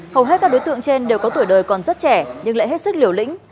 hầu hết các đối tượng trên đều có tuổi đời còn rất trẻ nhưng lại hết sức liều lĩnh